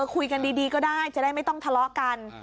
คุยกันดีก็ได้จะได้ไม่ต้องทะเลาะกัน